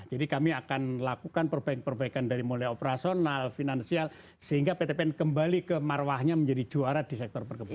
jadi kami akan lakukan perbaikan perbaikan dari mulai operasional finansial sehingga pt pn kembali ke marwahnya menjadi juara di sektor perkebunan